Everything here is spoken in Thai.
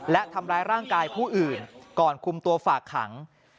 และทำร้ายร่างกายผู้อื่นก่อนคุมตัวฝากขัง